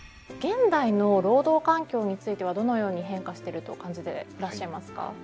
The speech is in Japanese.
現代の労働環境についてはどのように変化してると感じていらっしゃいますか？